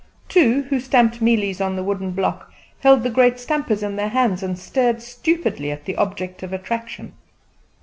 Two, who stamped mealies in a wooden block, held the great stampers in their hands, and stared stupidly at the object of attraction.